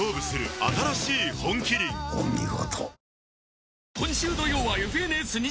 お見事。